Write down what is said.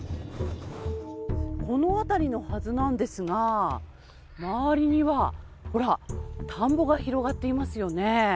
この辺りのはずなんですが、周りには、ほら、田んぼが広がっていますよね。